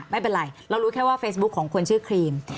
ไม่เป็นไรเรารู้แค่ว่าเฟซบุ๊คของคนชื่อครีม